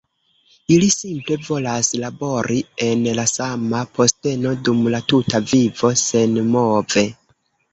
Ili simple volas labori en la sama posteno dum la tuta vivo, senmove.